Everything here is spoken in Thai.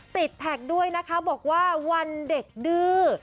แท็กด้วยนะคะบอกว่าวันเด็กดื้อ